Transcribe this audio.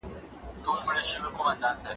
را تبعید شوي یو له هغه باغه